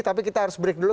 tapi kita harus break dulu